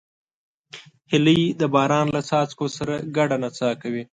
هیلۍ د باران له څاڅکو سره ګډه نڅا کوي